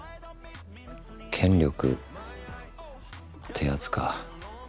権力ってやつか。